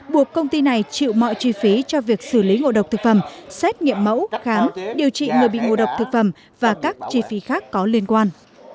buộc công ty này chịu mọi chi phí cho việc xử lý ngộ độc thực phẩm xét nghiệm mẫu khám điều trị người bị ngộ độc thực phẩm và các chi phí khác có liên quan